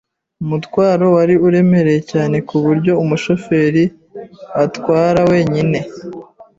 Umutwaro wari uremereye cyane kuburyo umushoferi atwara wenyine.